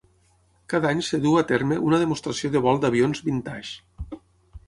Cada any es duu a terme una demostració de vol d'avions "vintage".